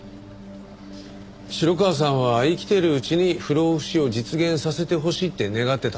城川さんは生きているうちに不老不死を実現させてほしいって願ってたんですよね？